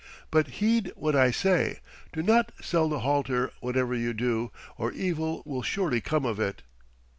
But heed what I say. Do not sell the halter whatever you do, or evil will surely come of it."